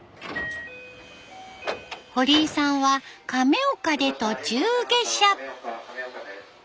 堀井さんは亀岡で途中下車。